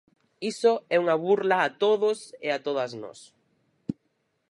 Iso é unha burla a todos e a todas nós.